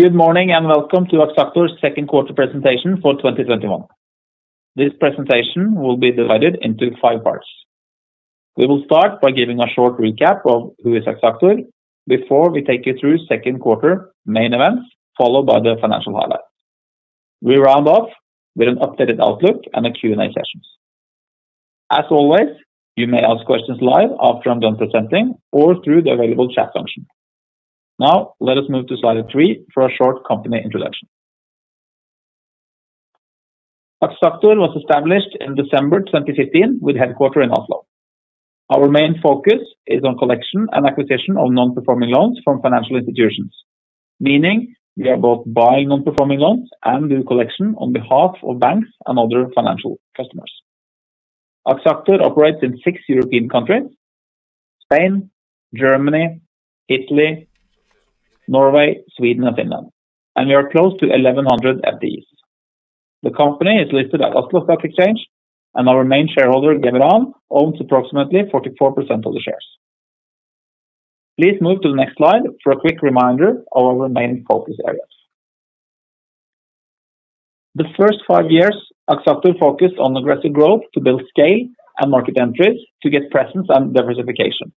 Good morning, and welcome to Axactor's second quarter presentation for 2021. This presentation will be divided into five parts. We will start by giving a short recap of who is Axactor before we take you through second quarter main events, followed by the financial highlights. We round off with an updated outlook and a Q&A session. As always, you may ask questions live after I'm done presenting or through the available chat function. Let us move to slide three for a short company introduction. Axactor was established in December 2015 with headquarter in Oslo. Our main focus is on collection and acquisition of non-performing loans from financial institutions, meaning we are both buying non-performing loans and do collection on behalf of banks and other financial customers. Axactor operates in six European countries: Spain, Germany, Italy, Norway, Sweden, and Finland, and we are close to 1,100 employees. The company is listed at Oslo Stock Exchange, our main shareholder, Geveran, owns approximately 44% of the shares. Please move to the next slide for a quick reminder of our main focus areas. The first five years, Axactor focused on aggressive growth to build scale and market entries to get presence and diversification.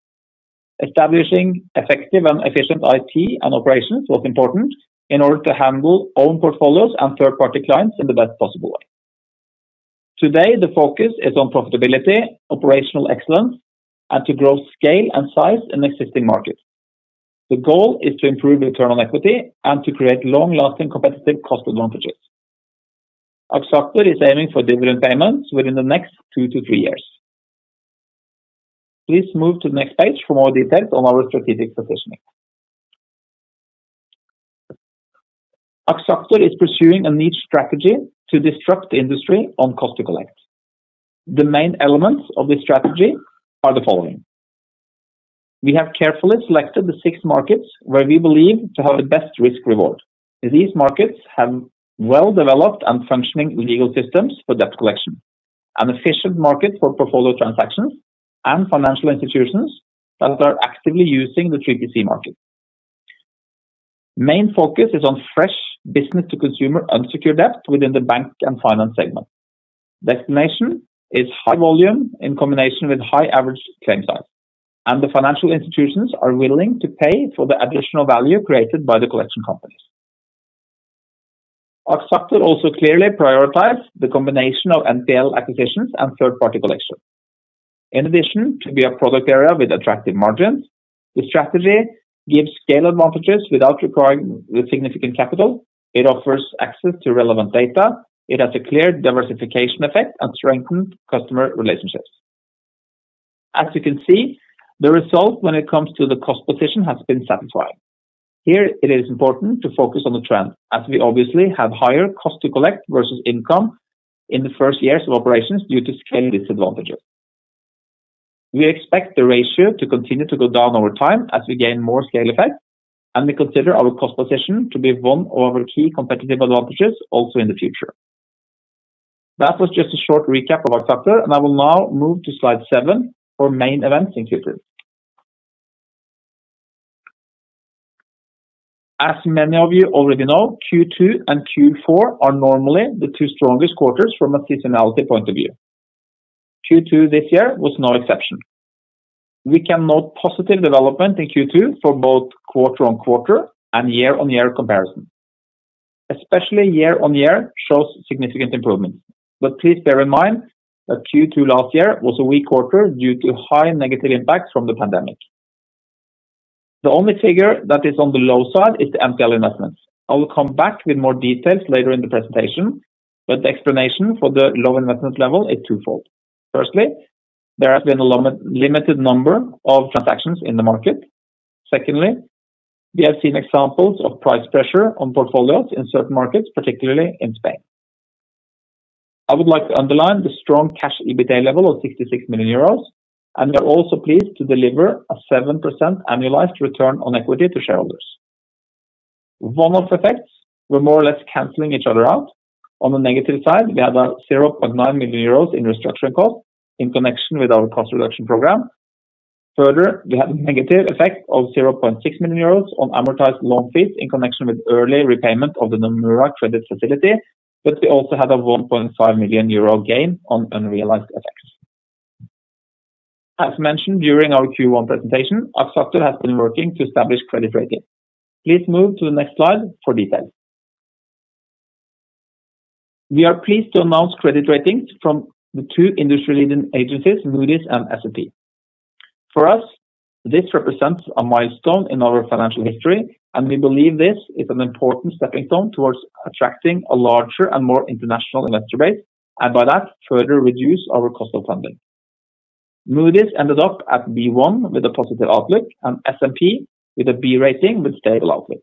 Establishing effective and efficient IT and operations was important in order to handle own portfolios and third-party clients in the best possible way. Today, the focus is on profitability, operational excellence, and to grow scale and size in existing markets. The goal is to improve return on equity and to create long-lasting competitive cost advantages. Axactor is aiming for dividend payments within the next two to three years. Please move to the next page for more details on our strategic positioning. Axactor is pursuing a niche strategy to disrupt the industry on cost to collect. The main elements of this strategy are the following. We have carefully selected the six markets where we believe to have the best risk-reward. These markets have well-developed and functioning legal systems for debt collection, an efficient market for portfolio transactions, and financial institutions that are actively using the 3PC market. Main focus is on fresh business-to-consumer unsecured debt within the bank and finance segment. The explanation is high volume in combination with high average claim size, and the financial institutions are willing to pay for the additional value created by the collection companies. Axactor also clearly prioritize the combination of NPL acquisitions and third-party collection. In addition, to be a product area with attractive margins, the strategy gives scale advantages without requiring significant capital. It offers access to relevant data. It has a clear diversification effect and strengthened customer relationships. As you can see, the result when it comes to the cost position has been satisfying. Here, it is important to focus on the trend as we obviously have higher cost to collect versus income in the first years of operations due to scale disadvantages. We expect the ratio to continue to go down over time as we gain more scale effect, and we consider our cost position to be one of our key competitive advantages also in the future. That was just a short recap of Axactor, and I will now move to slide seven for main events in Q2. As many of you already know, Q2 and Q4 are normally the two strongest quarters from a seasonality point of view. Q2 this year was no exception. We can note positive development in Q2 for both quarter-on-quarter and year-on-year comparison. Especially year-on-year shows significant improvements. Please bear in mind that Q2 last year was a weak quarter due to high negative impacts from the pandemic. The only figure that is on the low side is the NPL investments. I will come back with more details later in the presentation, but the explanation for the low investment level is twofold. Firstly, there has been a limited number of transactions in the market. Secondly, we have seen examples of price pressure on portfolios in certain markets, particularly in Spain. I would like to underline the strong cash EBITDA level of 66 million euros, and we are also pleased to deliver a 7% annualized return on equity to shareholders. One-off effects were more or less canceling each other out. On the negative side, we had a 0.9 million euros in restructuring cost in connection with our cost reduction program. Further, we had a negative effect of 0.6 million euros on amortized loan fees in connection with early repayment of the Nomura credit facility, but we also had a 1.5 million euro gain on unrealized effects. As mentioned during our Q1 presentation, Axactor has been working to establish credit rating. Please move to the next slide for details. We are pleased to announce credit ratings from the two industry leading agencies, Moody's and S&P. For us, this represents a milestone in our financial history, and we believe this is an important stepping stone towards attracting a larger and more international investor base, and by that, further reduce our cost of funding. Moody's ended up at B1 with a positive outlook, and S&P with a B rating with stable outlook.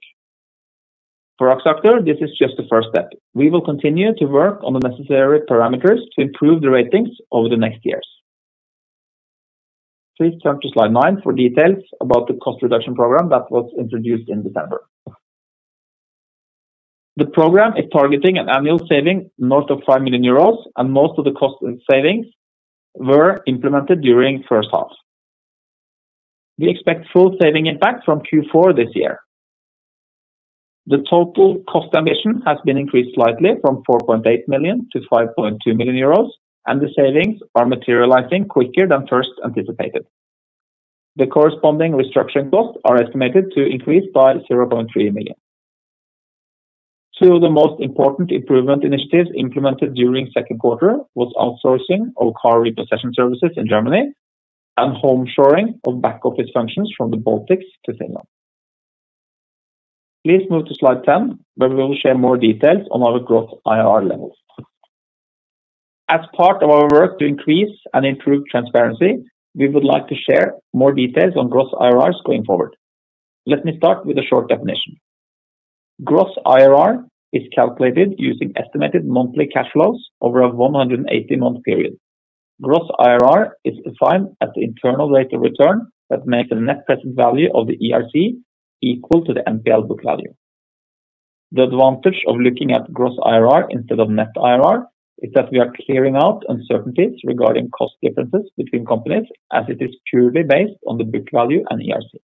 For Axactor, this is just the first step. We will continue to work on the necessary parameters to improve the ratings over the next years. Please turn to slide nine for details about the Cost Reduction Program that was introduced in December. The program is targeting an annual saving north of 5 million euros and most of the cost and savings were implemented during first half. We expect full saving impact from Q4 this year. The total cost ambition has been increased slightly from 4.8 million to 5.2 million euros, and the savings are materializing quicker than first anticipated. The corresponding restructuring costs are estimated to increase by 0.3 million. Two of the most important improvement initiatives implemented during second quarter was outsourcing our car repossession services in Germany and home shoring of back-office functions from the Baltics to Finland. Please move to slide 10, where we will share more details on our gross IRR levels. As part of our work to increase and improve transparency, we would like to share more details on gross IRRs going forward. Let me start with a short definition. Gross IRR is calculated using estimated monthly cash flows over a 180-month period. Gross IRR is defined at the internal rate of return that makes the net present value of the ERC equal to the NPL book value. The advantage of looking at gross IRR instead of net IRR is that we are clearing out uncertainties regarding cost differences between companies, as it is purely based on the book value and ERC.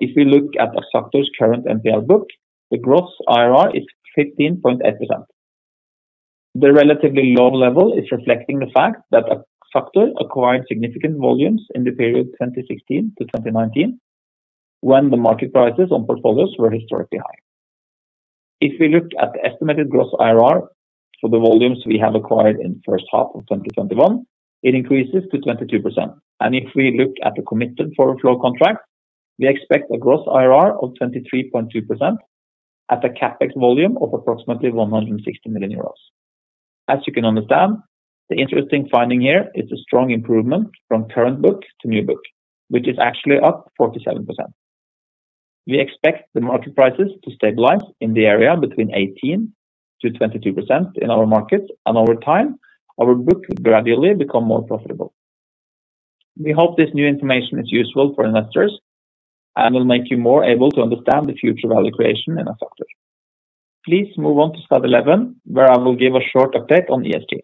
If we look at Axactor's current NPL book, the gross IRR is 15.8%. The relatively low level is reflecting the fact that Axactor acquired significant volumes in the period 2016-2019, when the market prices on portfolios were historically high. If we look at the estimated gross IRR for the volumes we have acquired in the first half of 2021, it increases to 22%. If we look at the committed forward flow contract, we expect a gross IRR of 23.2% at a CapEx volume of approximately 160 million euros. As you can understand, the interesting finding here is a strong improvement from current book to new book, which is actually up 47%. We expect the market prices to stabilize in the area between 18%-22% in our markets, and over time, our book will gradually become more profitable. We hope this new information is useful for investors and will make you more able to understand the future value creation in Axactor. Please move on to slide 11, where I will give a short update on ESG.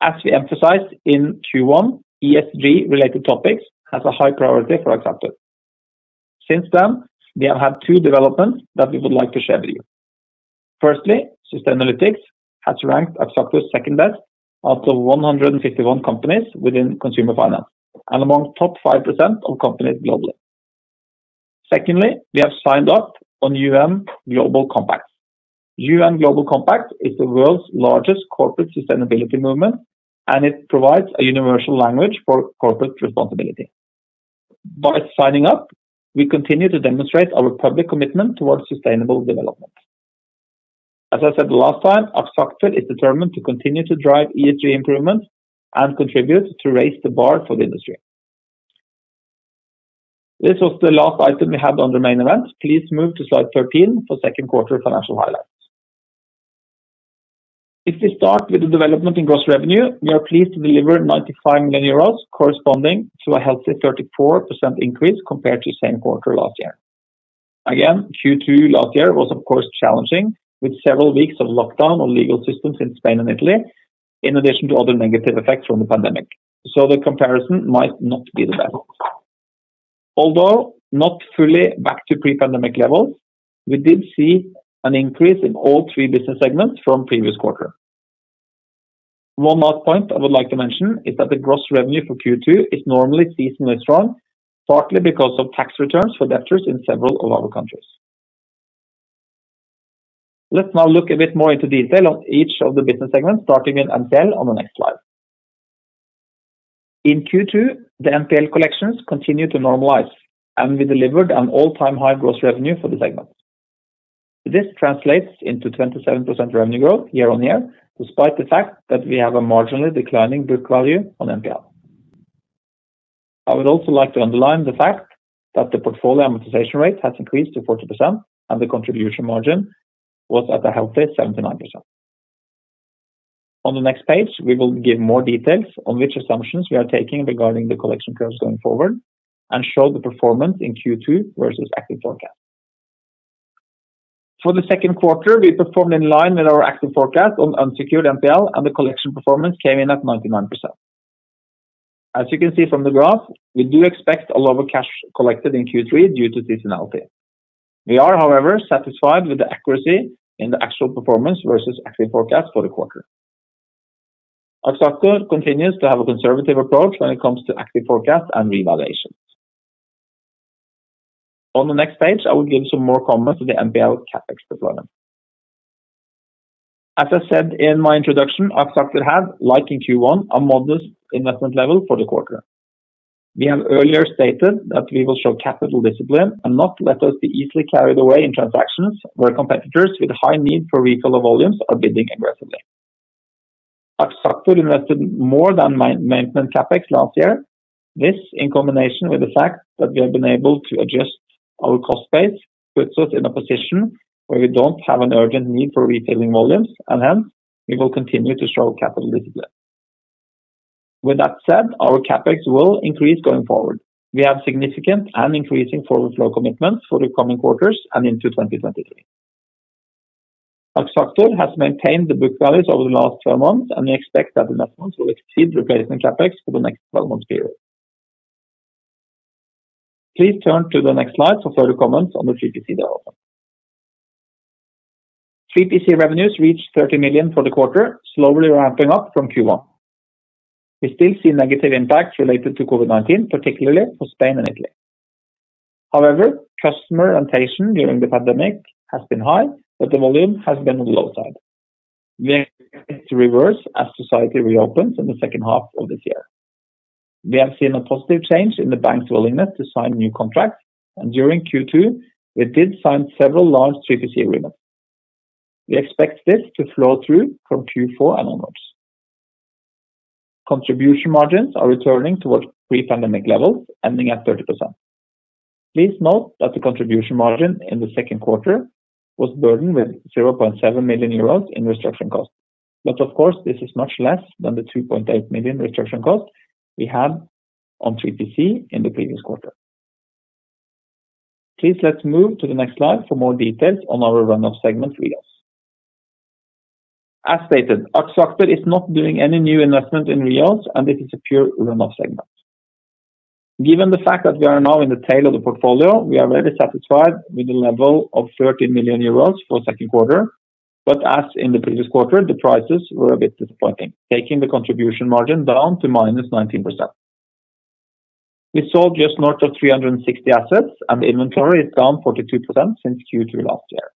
As we emphasized in Q1, ESG related topics has a high priority for Axactor. Since then, we have had two developments that we would like to share with you. Firstly, Sustainalytics has ranked Axactor second best out of 151 companies within consumer finance and among top 5% of companies globally. Secondly, we have signed up on UN Global Compact. UN Global Compact is the world's largest corporate sustainability movement. It provides a universal language for corporate responsibility. By signing up, we continue to demonstrate our public commitment towards sustainable development. As I said last time, Axactor is determined to continue to drive ESG improvements and contribute to raise the bar for the industry. This was the last item we had on the main event. Please move to slide 13 for second quarter financial highlights. If we start with the development in gross revenue, we are pleased to deliver 95 million euros corresponding to a healthy 34% increase compared to the same quarter last year. Q2 last year was of course challenging with several weeks of lockdown on legal systems in Spain and Italy, in addition to other negative effects from the pandemic. The comparison might not be the best. Although not fully back to pre-pandemic levels, we did see an increase in all three business segments from previous quarter. One last point I would like to mention is that the gross revenue for Q2 is normally seasonally strong, partly because of tax returns for debtors in several of our countries. Let's now look a bit more into detail on each of the business segments, starting in NPL on the next slide. In Q2, the NPL collections continued to normalize, and we delivered an all-time high gross revenue for the segment. This translates into 27% revenue growth year-on-year, despite the fact that we have a marginally declining book value on NPL. I would also like to underline the fact that the portfolio amortization rate has increased to 40% and the contribution margin was at a healthy 79%. On the next page, we will give more details on which assumptions we are taking regarding the collection curves going forward and show the performance in Q2 versus active forecast. For the second quarter, we performed in line with our active forecast on unsecured NPL and the collection performance came in at 99%. As you can see from the graph, we do expect a lower cash collected in Q3 due to seasonality. We are, however, satisfied with the accuracy in the actual performance versus active forecast for the quarter. Axactor continues to have a conservative approach when it comes to active forecast and revaluations. On the next page, I will give some more comments to the NPL CapEx deployment. As I said in my introduction, Axactor had, like in Q1, a modest investment level for the quarter. We have earlier stated that we will show capital discipline and not let us be easily carried away in transactions where competitors with high need for refill of volumes are bidding aggressively. Axactor invested more than maintenance CapEx last year. This, in combination with the fact that we have been able to adjust our cost base, puts us in a position where we don't have an urgent need for refilling volumes, and hence, we will continue to show capital discipline. With that said, our CapEx will increase going forward. We have significant and increasing forward flow commitments for the coming quarters and into 2023. Axactor has maintained the book values over the last 12 months, and we expect that investments will exceed replacement CapEx for the next 12-month period. Please turn to the next slide for further comments on the 3PC development. 3PC revenues reached 30 million for the quarter, slowly ramping up from Q1. We still see negative impacts related to COVID-19, particularly for Spain and Italy. However, customer retention during the pandemic has been high, but the volume has been on the low side. We expect it to reverse as society reopens in the second half of this year. We have seen a positive change in the banks' willingness to sign new contracts, and during Q2, we did sign several large 3PC agreements. We expect this to flow through from Q4 and onwards. Contribution margins are returning towards pre-pandemic levels, ending at 30%. Please note that the contribution margin in the second quarter was burdened with 0.7 million euros in restructuring costs. Of course, this is much less than the 3.8 million restructuring costs we had on 3PC in the previous quarter. Please, let's move to the next slide for more details on our run-off segment, REO. As stated, Axactor is not doing any new investment in REOs and it is a pure run-off segment. Given the fact that we are now in the tail of the portfolio, we are very satisfied with the level of 30 million for the second quarter. As in the previous quarter, the prices were a bit disappointing, taking the contribution margin down to -19%. We sold just north of 360 assets and the inventory is down 42% since Q2 last year.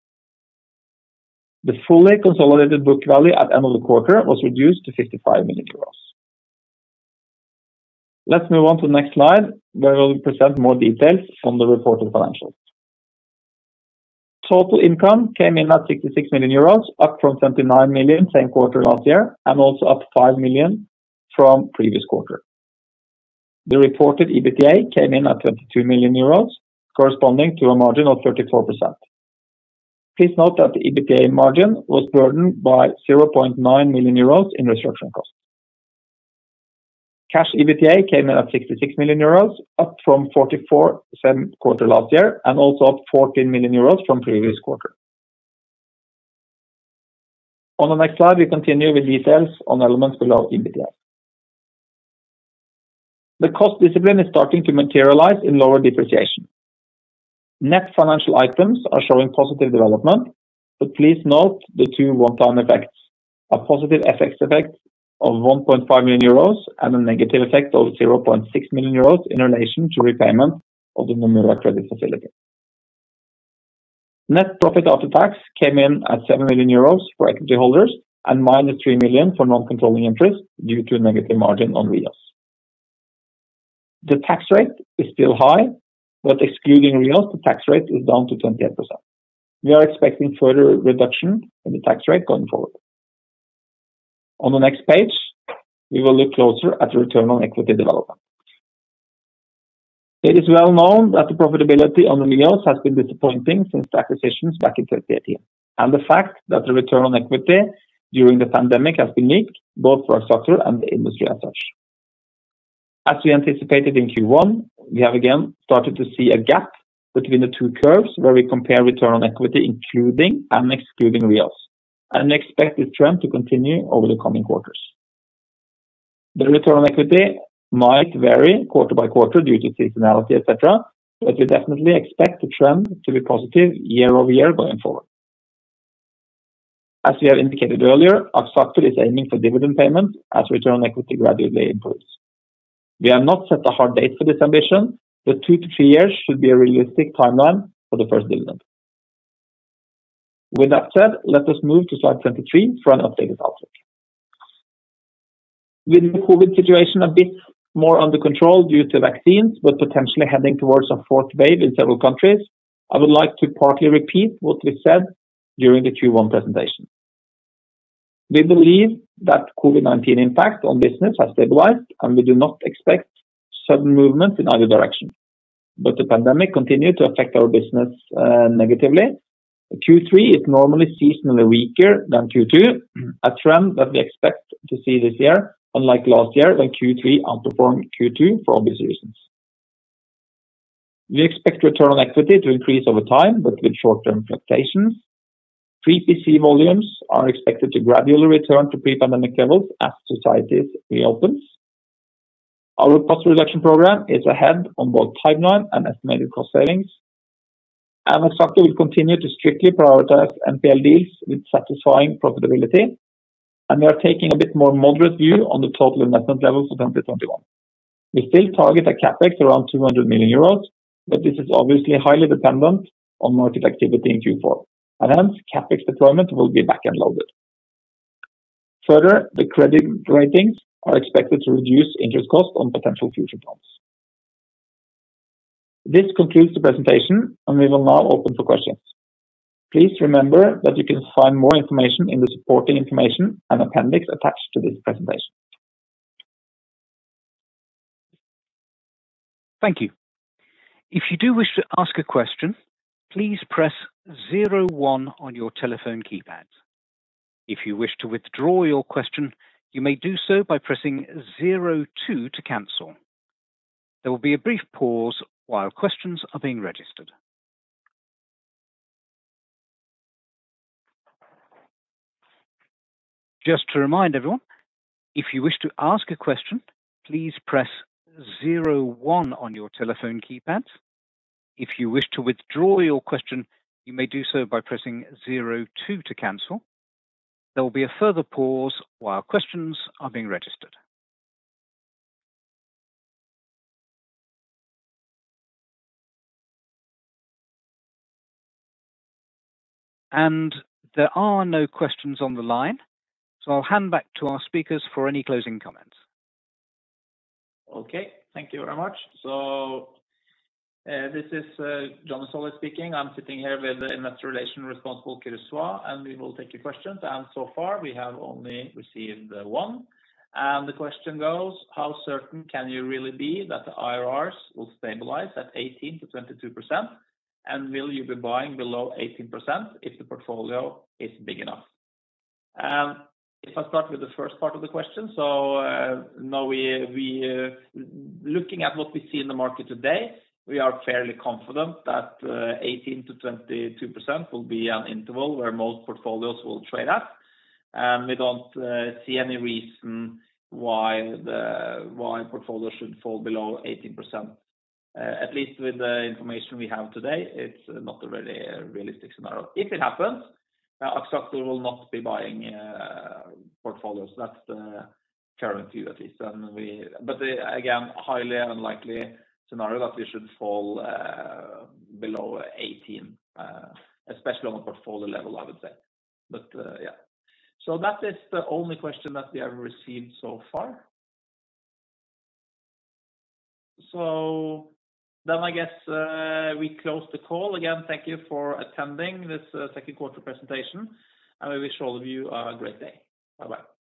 The fully consolidated book value at the end of the quarter was reduced to 55 million euros. Let's move on to the next slide, where we'll present more details on the reported financials. Total income came in at 66 million euros, up from 79 million same quarter last year and also up 5 million from the previous quarter. The reported EBITDA came in at 22 million euros, corresponding to a margin of 34%. Please note that the EBITDA margin was burdened by 0.9 million euros in restructuring costs. Cash EBITDA came in at 66 million euros, up from 44 million same quarter last year, and also up 14 million euros from the previous quarter. The next slide, we continue with details on elements below EBITDA. The cost discipline is starting to materialize in lower depreciation. Net financial items are showing positive development, please note the two one-time effects. A positive FX effect of 1.5 million euros and a negative effect of 0.6 million euros in relation to repayment of the Nomura credit facility. Net profit after tax came in at 7 million euros for equity holders and minus 3 million for non-controlling interest due to a negative margin on REOs. The tax rate is still high, excluding REOs, the tax rate is down to 28%. We are expecting further reduction in the tax rate going forward. On the next page, we will look closer at the return on equity development. It is well known that the profitability on the REOs has been disappointing since the acquisitions back in 2018. The fact that the return on equity during the pandemic has been weak both for Axactor and the industry as such. As we anticipated in Q1, we have again started to see a gap between the two curves where we compare return on equity including and excluding REOs, and expect this trend to continue over the coming quarters. The return on equity might vary quarter by quarter due to seasonality, et cetera. We definitely expect the trend to be positive year-over-year going forward. As we have indicated earlier, Axactor is aiming for dividend payment as return on equity gradually improves. We have not set a hard date for this ambition. Two to three years should be a realistic timeline for the first dividend. With that said, let us move to slide 23 for an updated outlook. With the COVID-19 situation a bit more under control due to vaccines, but potentially heading towards a fourth wave in several countries, I would like to partly repeat what we said during the Q1 presentation. We believe that COVID-19 impact on business has stabilized, and we do not expect sudden movement in either direction. The pandemic continue to affect our business negatively. Q3 is normally seasonally weaker than Q2, a trend that we expect to see this year, unlike last year when Q3 outperformed Q2 for obvious reasons. We expect return on equity to increase over time, but with short-term fluctuations. 3PC volumes are expected to gradually return to pre-pandemic levels as societies reopens. Our cost reduction program is ahead on both timeline and estimated cost savings. Axactor will continue to strictly prioritize NPL deals with satisfying profitability, and we are taking a bit more moderate view on the total investment levels of 2021. We still target a CapEx around 200 million euros, but this is obviously highly dependent on market activity in Q4, and hence CapEx deployment will be back-end loaded. The credit ratings are expected to reduce interest costs on potential future bonds. This concludes the presentation and we will now open for questions. Please remember that you can find more information in the supporting information and appendix attached to this presentation. Thank you. If you do wish to ask a question, please press zero one on your telephone keypad. If you wish to withdraw your question, you may do so by pressing zero two to cancel. There will be a brief pause while questions are being registered. Just to remind everyone, if you wish to ask a question, please press zero one on your telephone keypad. If you wish to withdraw your question, you may do so by pressing zero two to cancel. There will be a further pause while questions are being registered. There are no questions on the line, so I'll hand back to our speakers for any closing comments. Okay. Thank you very much. This is Johnny Tsolis speaking. I'm sitting here with Investor Relations responsible, Kyrre Svae. We will take your questions. So far, we have only received one. The question goes, "How certain can you really be that the IRRs will stabilize at 18%-22%? Will you be buying below 18% if the portfolio is big enough?" If I start with the first part of the question, now looking at what we see in the market today, we are fairly confident that 18%-22% will be an interval where most portfolios will trade at. We don't see any reason why portfolios should fall below 18%. At least with the information we have today, it's not a very realistic scenario. If it happens, Axactor will not be buying portfolios. That's the current view at least. Again, highly unlikely scenario that we should fall below 18%, especially on the portfolio level, I would say. But, yeah. That is the only question that we have received so far. I guess we close the call. Again, thank you for attending this second quarter presentation, and we wish all of you a great day. Bye-bye.